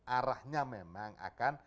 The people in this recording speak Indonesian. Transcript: arahnya memang akan